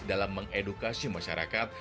dalam mengedukasi masyarakat